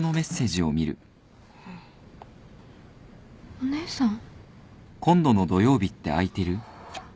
お姉さん。